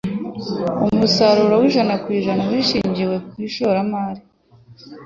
Umusaruro wa % wishingiwe ku ishoramari.